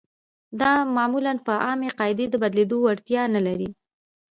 دا معمولاً په عامې قاعدې د بدلېدو وړتیا نلري.